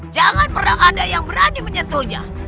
jangan pernah ada yang berani menyentuhnya